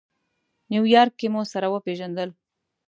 نیویارک کې مو سره وپېژندل.